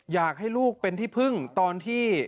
อยากให้ลูกเป็นที่พึ่งตอนที่